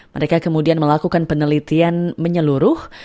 mereka kemudian melakukan penelitian menyeluruh